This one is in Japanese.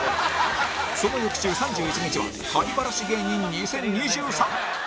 その翌週３１日はバラシ芸人２０２３